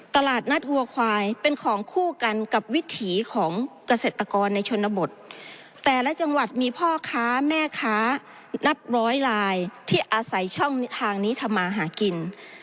ตลาดนัดหัวควายเป็นของคู่กันกับวิถีของเกษตรกรในชนบทแต่ละจังหวัดมีพ่อค้าแม่ค้านับร้อยลายที่อาศัยช่องทางนี้ทำมาหากิน